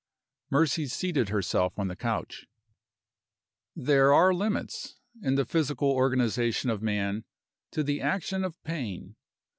Mercy seated herself on the couch. There are limits, in the physical organization of man, to the action of pain.